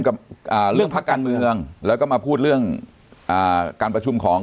กับอ่าเรื่องพักการเมืองแล้วก็มาพูดเรื่องอ่าการประชุมของ